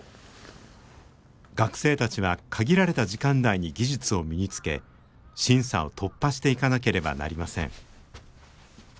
学生たちは限られた時間内に技術を身につけ審査を突破していかなければなりません。